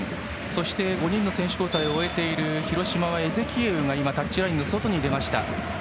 そして５人の選手交代を終えている広島はエゼキエウがタッチラインの外に出ました。